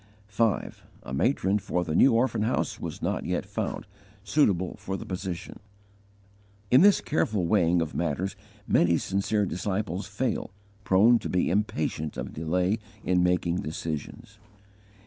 5. A matron for the new orphan house was not yet found, suitable for the position. In this careful weighing of matters many sincere disciples fail, prone to be impatient of delay in making decisions.